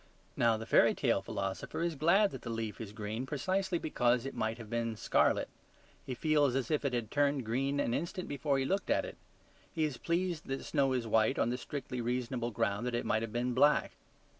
Now, the fairy tale philosopher is glad that the leaf is green precisely because it might have been scarlet. He feels as if it had turned green an instant before he looked at it. He is pleased that snow is white on the strictly reasonable ground that it might have been black.